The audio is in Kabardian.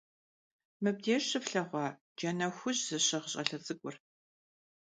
Mıbdêjj şıflheğua cane xuj zışığ ş'ale ts'ık'ur?